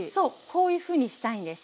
こういうふうにしたいんです。